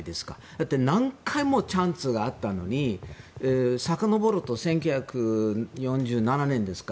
だって何回もチャンスがあったのにさかのぼると１９４７年ですか。